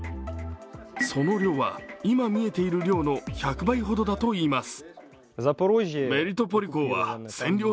その量は今、見えている量の１００倍ほどだといいます。